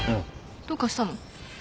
どうかしたの？